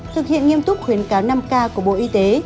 thực hiện nghiêm túc khuyến cáo năm k của bộ y tế